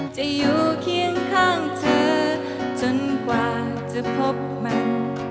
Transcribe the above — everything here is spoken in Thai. จะอยู่เคียงข้างเธอจนกว่าจะพบมัน